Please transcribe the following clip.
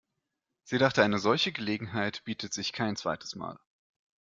Sie dachte, eine solche Gelegenheit bietet sich kein zweites Mal.